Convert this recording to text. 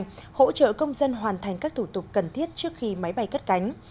hỗ trợ công dân hoàn thành các thủ tục cần thiết trước khi máy bay cất cánh